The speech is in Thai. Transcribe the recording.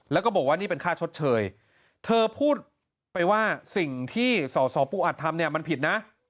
แล้วก็บอกว่านี่เป็นค่าชดเชยเธอพูดไปว่าสิ่งที่สสปูอัดทำเนี่ยมันผิดนะ